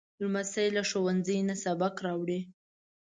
لمسی له ښوونځي نه سبق راوړي.